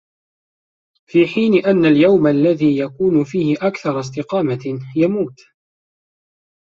في حين أن اليوم الذي يكون فيه اكثر استقامةُ ، يموت